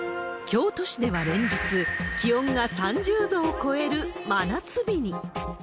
京都市では連日、気温が３０度を超える真夏日に。